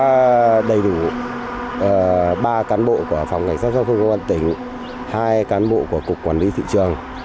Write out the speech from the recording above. có đầy đủ ba cán bộ của phòng cảnh sát giao thông của quân tỉnh hai cán bộ của cục quản lý thị trường